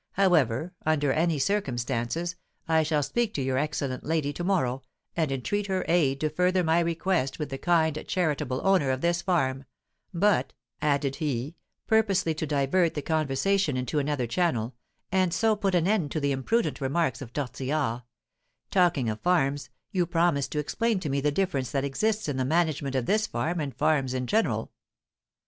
However, under any circumstances, I shall speak to your excellent lady to morrow, and entreat her aid to further my request with the kind, charitable owner of this farm, but," added he, purposely to divert the conversation into another channel, and so put an end to the imprudent remarks of Tortillard, "talking of farms, you promised to explain to me the difference that exists in the management of this farm and farms in general."